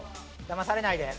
だまされないで。